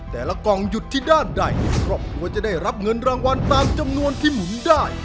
กล่องหยุดที่ด้านใดครอบครัวจะได้รับเงินรางวัลตามจำนวนที่หมุนได้